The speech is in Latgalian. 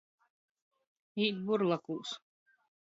Īt burlakūs.